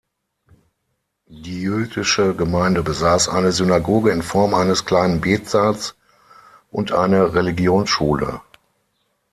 Die jüdische Gemeinde besaß eine Synagoge in Form eines kleinen Betsaals und eine Religionsschule.